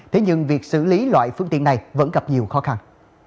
thế nhưng việc xử lý loại phương tiện này vẫn gặp nhiều khó khăn